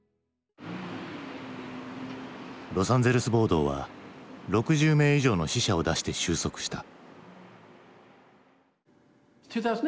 ロサンゼルス暴動は６０名以上の死者を出して終息した。